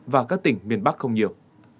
và các tỉnh miền bắc không nhiều